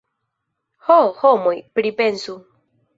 Ho, homoj, pripensu!